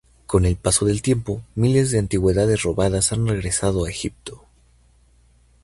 Con el paso del tiempo, miles de antigüedades robadas han regresado a Egipto.